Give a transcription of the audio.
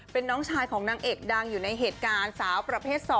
เป็นน้องชายของนางเอกดังอยู่ในเหตุการณ์สาวประเภท๒